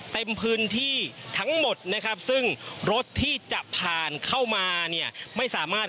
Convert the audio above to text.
เต็มพื้นที่ทั้งหมดนะครับซึ่งรถที่จะผ่านเข้ามาเนี่ยไม่สามารถ